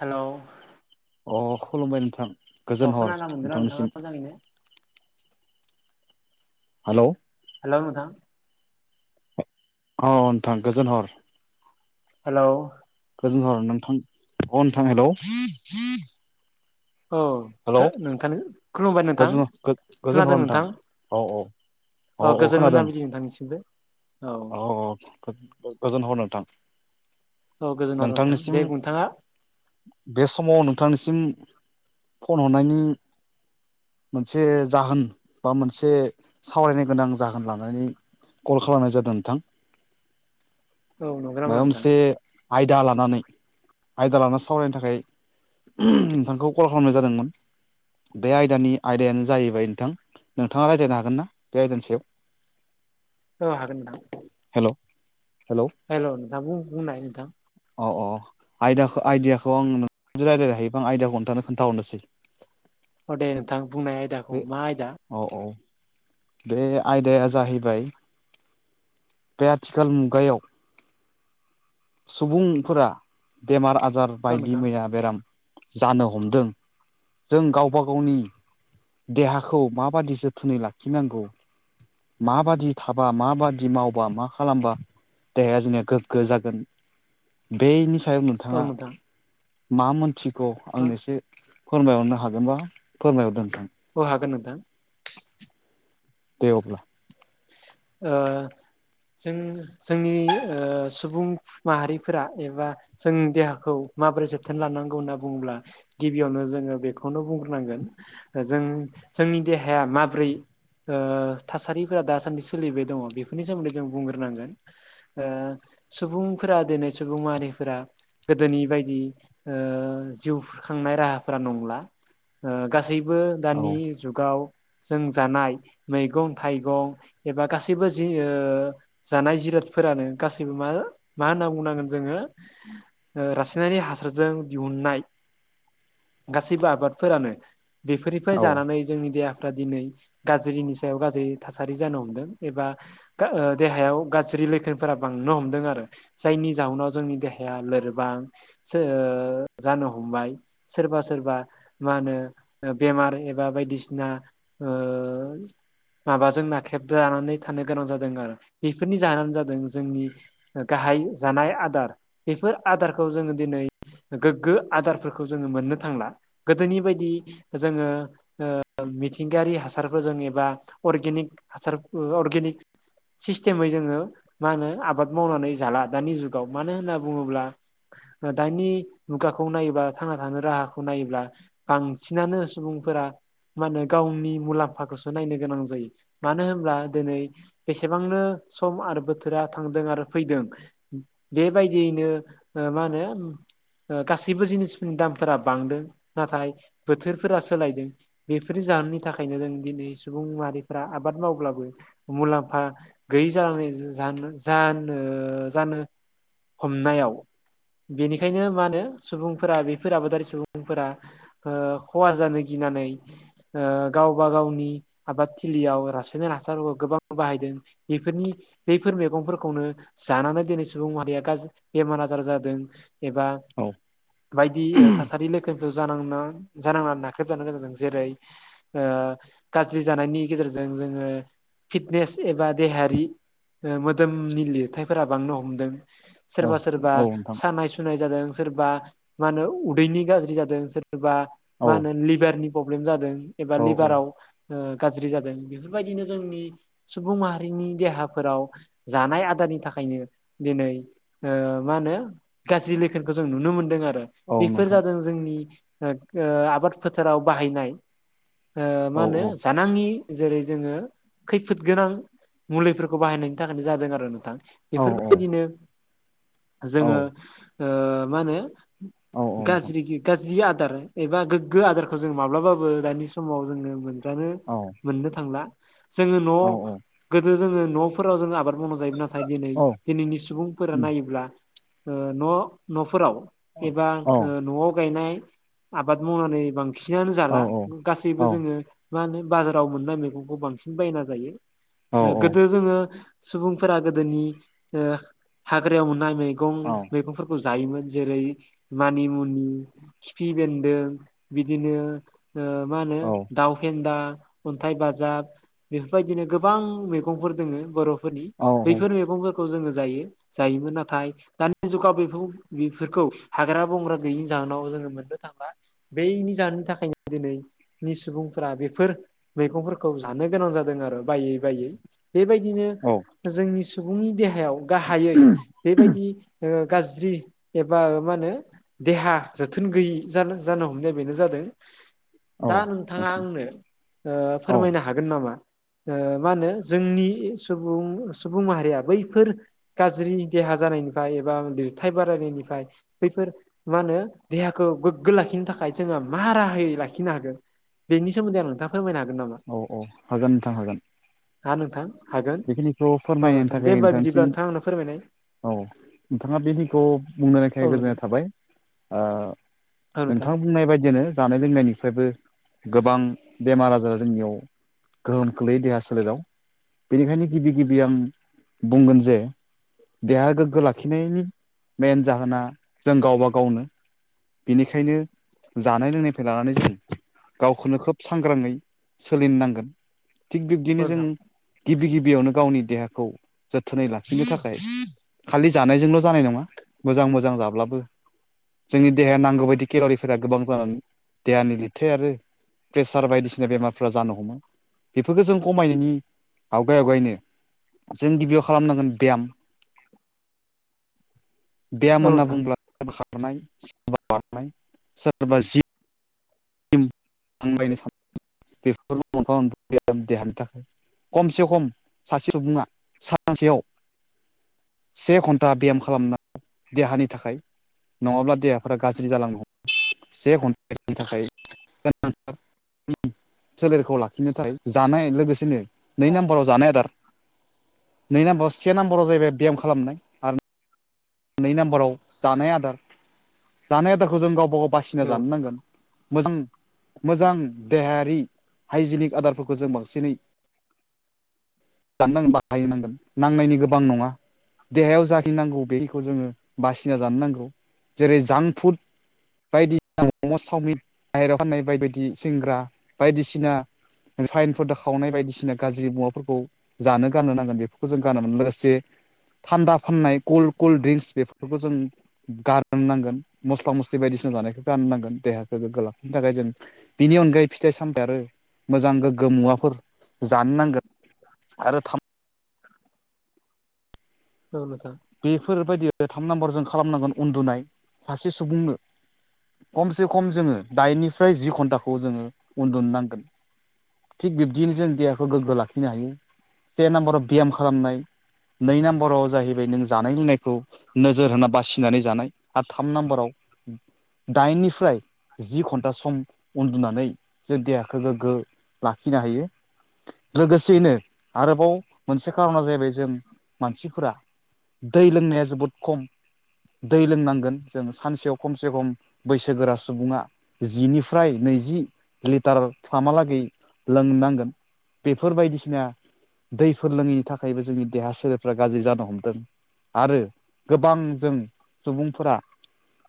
हेल' अ खुलुमबाय नोंथां गोजोन हर नोंथांनिसिम जनो [inaudible] हेल'। हेल' नोंथां। औ नोंथां गोजोन हर हेलौ गोजोन हर नोंथां अ नोंथां हेलौ औ हेलौ नोंथां खुलुमबाय नोंथां गोजोन गोजोन खोनादों हर नोंथां औ औ औ गोजोन मोना बिलि नोंथांनिसिमबो औ गोजोन हर नोंथां औ गोजोन हर नोंथां दे नोंथांनिसिम नोंथाङा बे समाव नोंथांनिसिम फन हरनायनि मोनसे जाहोन बा मोनसे सावरायनो गोनां जाहोन लानानै कल खालामनाय जादों नोंथां औ नंगौ नामा माबा नोंथां मोनसे आयदा लानानै आयदा लानानै सावरायनो थाखाय नोंथांखौ खालामनाय जादोंमोन बे आयदानि आयदायानो जाहैबाय नोंथां नोंथाङा रायज्लायनो हागोन ना बे आयदानि सायाव [inaudible] औ हागोन नोंथां हेल' हेल' हेल' नोंथां बुं बुंनाय नोंथां अ औ आयदीयाखौ आइदियाखौ आंदियलायनो हायोबा आं आइडियाखौ नोंथांनो खोन्थाहरनोसै अ दे नोंथां बुंनाय आयदाखौ मा आयदा अ औ बे आयदाया जाहैबाय बे आथिखाल मुगायाव सुबुंफोरा बेमार आजार औ बायदि नोंथां मैया बेराम जानो हमदों जों गावबा गावनि देहाखौ माबादि जोथोनै लाखिनांगौ माबादि थाबा माबादि मावबा मा खालामबा देहाया जोंनिया गोग्गो जागोन बेनि सायाव औ नोंथाङा नोंथां मा मोनथिगौ आंनो औ एसे फोरमायहरनो हागोनबा फोरमायहरदो नोंथां अ हागोन नोंथां दे अब्ला ओ जों जोंनि सुबुं माहारिफोरा एबा जों देहाखौ माबोरै जोथोन लानांगौ होनना बुङोब्ला गिबियावनो जोङो बेखौनो बुंग्रोनांगोन जों जोंनि देहाया माब्रै थासारिफोरा दासान्दि सोलिबाय दङ बेफोरनि सोमोन्दै जों बुंग्रोनांगोन सुबुंफोरा दिनै सुबुं मारिफोरा गोदोनि बायदि जिउ खांनाय राहाफोरा नंला गासैबो औ दानि जुगाव जों जानाय मैगं थाइगं गं एबा गासैबो जि जानाय जिरादफोरानो गासैबो मा मा होनना बुंनांगोन जोङो रासायनारि हासारजों दिहुननाय गासैबो आबादफोरानो बेफोरनिफ्राय औ जानानै जोंनि देहाफ्रा दिनै गाज्रिनि सायाव गाज्रि थासारि जानो हमदों एबा देहायाव गाज्रि लैखोनफोरा बांनो हमदों आरो जायनि जाहोनाव जोंनि देहाया लोरबां ओ जानो हमबाय। सोरबा सोरबा मा होनो बेमार एबा बायदिसिना ओ। माबाजों नाख्रेबजानानै थानो गोनां जादों आरो बेफोरनि जाहोनानो जादों जोंनि गाहाय जानाय आदार बेफोर आदारखौ जोङो दिनै गोग्गो आदारफोरखौ जोङो मोननो थांला गोदोनि बायदि जोङो मिथिंगायारि हासारफोरजों एबा अर्गेनिक हासार अर्गनिक सिस्टेमै जोङो मा होनो आबाद मावनानै जाला दानि जुगाव मानो होनना बुङोब्ला दानि मुगाखौ नायोब्ला थांना थानो राहाखौ नायोब्ला बांसिनानो सुबुंफोरा मा होनो गावनि मुलाम्फाखौसो नायनो गोनां जायो। मानो होनब्ला दिनै बेसेबांनो सम आरो बोथोरा थांदों आरो फैदों। बेबायदियैनो मा होनो गासैबो जिनिसफोरनि दामफोरा बांदों नाथाय बोथोरफोरा सोलायदों। बेफोर जाहोननि थाखायनो जों दिनै सुबुं माहारिफ्रा आबाद मावब्लाबो। मुलाम्फा गैयि जानाय जा-जा ओ जानो हमनायाव बेनिखायनो मा होनो सुबुंफोरा बेफोर आबादारि सुबुंफोरा ओ खहा जानो गिनानै गावबा गावनि आबाद थिलियाव रासायनारि हासारफोरखौ गोबां बाहायदों बेफोरनि बैफोर मैगंफोरखौनो जानानै दिनै सुबुं माहारिया गाज्रि बेमार आजार जादों। एबा औ बायदि थासारि लोगो जांनानै नाख्रेबजानो गोनां जादों जेरै ओ गाज्रि जानायनि। गेजेरजों जोङो फिटनेस एबा देहायारि मोदोमनि लिरथायफोरा बांनो हमदों औ ।सोरबा सोरबा औ नोंथां सानाय सु सुनाय जादों सोरबा मा होनो उदैनि गाज्रि जादों सोरबा औ मा होनो लिभारनि प्रब्लेम जादों एबा औ औ लिभाराव गाज्रि जादों ।बेफोरबायदिनो जोंनि सुबुं माहारिनि देहाफोराव जानाय आदारनि थाखायनो दिनै ओ मा होनो गाज्रि लैखोनखौ जों नुनो मोनदों आरो। औ बेफोर नोंथां जादों जोंनि ओ आबाद फोथाराव बाहायनाय ओ औ मा होनो जानाङि जेरै जोङो खैफोद गोनां मुलिफोरखौ बाहायनायनि थाखायनो जादों आरो नोंथां। औ बेफोरबायदिनो औ जोङो ओ मा होनो औ नोंथां गाज्रि गाज्रि आदार एबा गोग्गो आदारखौ जों माब्लाबाबो दानि समाव जोङो मोनजानो ओं। मोननो थांला जोङो न' गोदो जोङो न'फोराव जोङो आबाद माव जायोमोन नाथाय दिनै औ दिनैनि सुबुंफोरा नायोब्ला ओ न' न'फोराव औ एबा औ नोंथां ओ न'आव गायनाय आबाद मावनानै बांसिनानो औ जाला । गासैबो जोङो मा होनो बाजाराव मोननाय मैगंखौ बांसिन बायना जायो। गोदो जोङो सुबुंफोरा गोदोनि ओ हाग्रायाव मोननाय मैगं मैगंफोरखौ जायोमोन जेरै मानिमुनि खिफि बेन्दों बिदिनो मा होनो दाउ फेन्दा, अन्थाइ बाजाब बेफोरबायदिनो गोबां मैगंफोर दोङो बर'फोरनि। बैफोर मैगंफोरखौ जोङो जायो जायोमोन नाथाय दानि जुगाव बे बेफोरखौ हाग्रा बंग्रा गैयिनि जाहोनाव जोङो मोननो थांला। बेनि जाहोननि थाखायनो दिनैनि सुबुंफोरा बेफोर मैगंफोरखौ जानो गोनां जादों आरो बायै बायै। बेबायदिनो जोंनि सुबुंनि देहायाव गाहायै बेबायदि ओ गाज्रि एबा ओ मा होनो देहा जोथोन गैयि जानो जानो हमनाय बेनो जादों दा नों नोंथाङा आंनो ओ फोरमायनो हागोन नामा ओ मा होनो जोंनि सुबुं सुबुं माहारिया बैफोर गाज्रि देहा जानायनिफ्राय एबा लिरथाय बारायनायनिफ्राय बैफोर मा होनो देहाखौ गोग्गो लाखिनो थाखाय जोङो मा राहायै लाखिनो हागोन। बेनि सोन्दै आं नोंथां फोरमायनो हागोन नामा? औ औ हागोन नोंथां हागोन। हा नोंथां। हागोन बेखिनिखौ औ फोरमायनो नोंथां दे थाखाय होमबा बिदिब्ला नोंथांसिम नोंथां आंनो फोरमायनाय औ नोंथाङा बे दैखौ बुंनो नायखाय औ नोंथां गोजोननाय थाबाय औ नोंथां बुंनाय बायदियानो जानाय लोंनायनि फ्रायबो गोबां बेमार आजारा जोंनियाव गोहोम खोलैयो देहा सोलेराव बेनिखायनो गिबि गिबि आं बुंगोन जे देहा गोग्गो लाखिनायनि मेइन जाहोना जों गावबा गावनो बेनिखायनो जानाय लोंनायनिफ्राय लानानै जों गावखौनो खोब सांग्राङै सोलि नांगोन थिग बिब्दिनो जों नोंथां गिबि गिबियावनो गावनि देहाखौ जोथोनै लाखिनो थाखाय खालि जानायजोंल' जानाय नङा मोजां मोजां जाब्लाबो जोंनि देहाया नांगौ बायदि केेल'रिफोरा गोबां जानानै देहानि लिरथाय आरो प्रेसार बायदिसिना बेमारफ्रा जानो हमो बेफोरखौ जों खमायनायनि आवगाय आवगायनो जों गिबियाव खालामनांगोन बेयाम बेयाम औ होनना नोंथां बुंब्ला खारनाय सोरबा बारनाय सोरबा जि [unintelligible] बेफोर देहानि थाखाय खमसे खम सासे सुबुङा सानसेयाव से घन्टा बेयाम खालामनाय देहानि थाखाय नङाब्ला देहाफोरा गाज्रि जालांनो हमो से घन्टानि थाखाय [inaudible] सोलेरखौ लाखिनो थाखाय जानाय लोगोसेनो नै नाम्बाराव जानाय आदार नै नाम्बाराव से नाम्बाराव जाहैबाय बेयाम खालामनाय आरो नै नाम्बाराव जानाय आदार जानाय आदारखौ जों गावबा गाव बासिना औ जानो नांगोन मोजां मोजां देहायारि हाइजेनिक आदारफोरखौ जों बांसिनै जान नांगोन बाहायनांगोन नांनायनि गोबां नङा देहायाव जाखिनि नांगौ बे खौ जोङो बासिना जानो नांगौ जेरै जांफुड बायदिसिना मम' चावमिन बाहेरायाव फाननाय बाय बायदि सेंग्रा बायदिसिना फाइनफोर दाखावनाय बायदिसिना गाज्रि मुवाफोरखौ जानो गाननो नांगोन बेफोरखौ जों गाननो मोन लोगोसे थान्दा फाननाय कल कल्ड ड्रिंक्स बेफोरखौ जों गार नांगोन मस्ला मस्लि बायदिसिना जानायखौ गारनो नांगोन देहाखौ गोग्गो लाखिनो थाखाय जों बिनि अनगायै फिथाइ सामथाइ आरो मोजां गोग्गो मुवाफोर जानो नांगोन आरो थाम औ नोंथां बेफोरबायदि थाम नाम्बार जों खालामनांगोन उन्दुनाय सासे सुबुंनो खमसे खम जोङो दाइननिफ्राय जि घन्टाखौ जोङो उन्दुनो नांगोन थिग बिब्दिनो जों देहाखौ गोग्गो लाखिनो हायो से नाम्बाराव बियाम खालामनाय नै नाम्बाराव जाहैबाय नों जानाय लोंनायखौ नोजोर होना बासिनानै जानाय आरो थाम नाम्बाराव दाइननिफ्राय जि घन्टा सम उन्दुनानै जों देहाखौ गोग्गो लाखिनो हायो लोगोसेयैनो आरोबाव मोनसे खारना जाहैबाय जों मानसिफोरा दै लोंनाया जोबोद खम दै लोंनांगोन जों सानसेयाव खमसे खम बैसोगोरा सुबुङा जिनिफ्राय नैजि लिटार फ्रामहालागै लोंनांगोन बेफोर बायदिसिना दैफोर लोङैनि थाखायबो जोंनि देहा सोलेरफ्रा गाज्रि जानो हमदों आरो गोबां जों सुबुंफोरा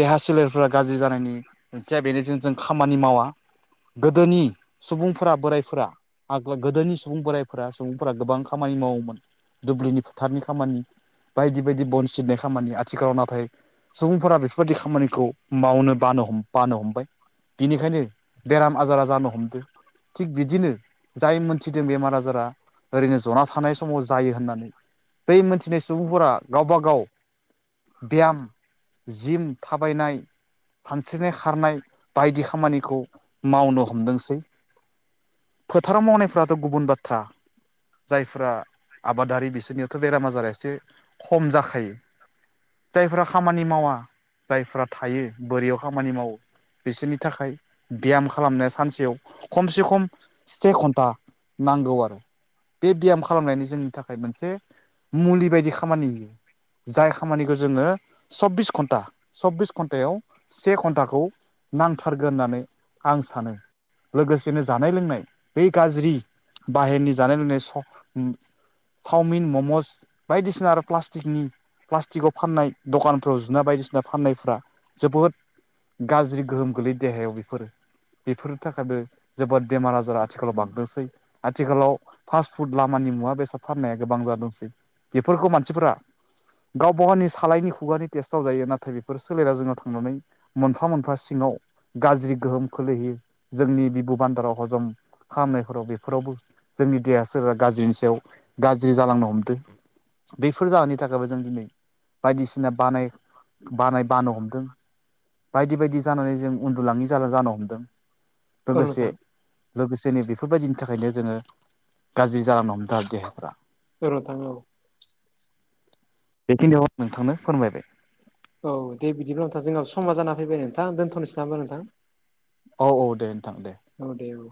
देहा सोलेरफोरा गाज्रि जानायनि ओंथिया बेनो ज जों खामानि मावा गोदोनि सुबुंफोरा बोरायफोरा आग्ला गोदोनि सुबुं बोराइफोरा सुबुंफोरा गोबां खामानि मावोमोन दुब्लिनि फोथारनि खामानि बायदि बायदि बन सिननाय खामानि आथिखालाव नाथाय सुबुंफोरा बेफोरबायदि खामानिखौ मावनो बानो ह बानो हमबाय। बिनिखायनो बेराम आजारा जानो हमदों थिग बिदिनो जाय मोनथिदों बेमार आजारा ओरैनो जना थानाय समाव जायो होननानै बै मोनथिनाय सुबुंफोरा गावबा गाव बेयाम जिम थाबायनाय सानस्रिनाय, खारनाय बायदि खामानिखौ मावनो हमदोंसै फोथाराव मावनायफ्राथ' गुबुन बाथ्रा जायफ्रा आबादारि बिसोरनियावथ' बेराम आजार एसे खम जाखायो जायफोरा खामानि मावा जायफ्रा थायो बोरैयाव खामानि मावो बिसोरनि थाखाय ब्याम खालामनाया सानसेयाव खमसे खम से घन्टा नांगौ आरो बे ब्याम खालामनायनि जोंनि थाखाय मोनसे मुलि बायदि खामानि होयो। जाय खामानिखौ जोङो सब्बिस घन्टा सब्बिस घन्टायाव से घन्टाखौ नांथारगोन होननानै आं सानो लोगोसेनो जानाय लोंनाय बे गाज्रि बाहेरनि जानाय लोंनाय स चाविन ममस बायदिसि सिना आरो प्लास्टिकनि प्लास्टिकआव फाननाय दखानफ्राव जुना बायदिसिना फाननायफ्रा‌ जोबोद गाज्रि गोहोम गोलै देहायाव बेफोरो बेफोरनि थाखायबो जोबोद बेमार आजार आथिखालाव बांदोंसै आथिखालाव फास्ट फुड लामानि मुवा बेसाद फाननाया गोबां जादोंसै फोरफोरखौ मानसिफोरा गावबाव गावनि सालायनि खुगानि टेस्टआव जायो नाथाय बेफोर सोलेराव जोंनाव थांनानै मोनफा मोनफा सिङाव गाज्रि गोहोम खोलैहै जोंनि बिबु बान्दाराव हजम खालामनायफोराव बेफोरावबो जोंनि देहा सोरबा गाज्रिनि सायाव गाज्रि जालांनो हमदों। बैफोर जाहोननि थाखायबो जों दिनै बायदिसिना बानाय बानाय बानो हमदों बायदि बायदि जानानै जों उन्दुलाङि ज जानो हमदों। औ लोगोसे नोंथां लोगोसेनो बेफोरबायदिनि थाखायनो जोङो गाज्रि जालांनो हमदों आरो देहाफ्रा। [unintelligible] बेखिनियाव आ नोंथांनो फोरमायबाय। औ दे बिदिब्ला नोंथां जोंनाबो समा जाना फैबाय नोंथां दोनथ'नोसै नामा नोंथां? औ औ दे नोंथां दे। औ दे‌औ